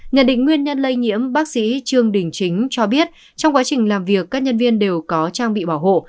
nhận định nguyên nhân lây nhiễm bác sĩ trương đình chính cho biết trong quá trình làm việc các nhân viên đều có trang bị bảo hộ